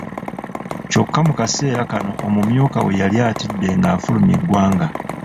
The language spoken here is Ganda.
Kyokka mu kaseera kano omumyuka we yali atidde ng'afulumye eggwanga.